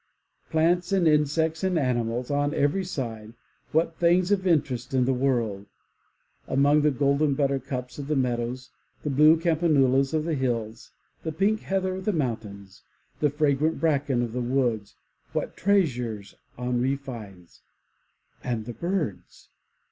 Plants and insects and animals, — on every side, what things, of interest in the world. Among the golden buttercups of the meadows, the blue campanulas of the hills, the pink heather of the mountains, the fragrant bracken of the woods, what treasures Henri finds! And the birds!